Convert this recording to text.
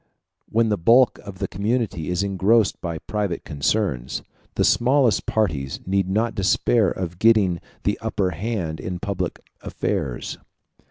When the bulk of the community is engrossed by private concerns, the smallest parties need not despair of getting the upper hand in public affairs.